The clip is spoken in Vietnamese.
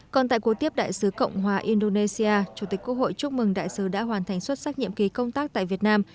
còn tại cuộc tiếp đại sứ cộng hòa indonesia chủ tịch quốc hội chúc mừng đại sứ đã hoàn thành xuất sắc nhiệm kỳ công tác tại việt nam